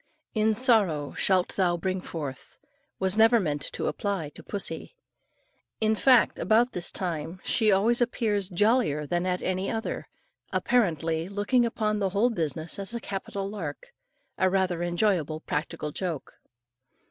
"In sorrow shalt thou bring forth," was never meant to apply to pussy. In fact about this time she always appears jollier than at any other, apparently looking upon the whole business as a capital lark a rather enjoyable practical joke.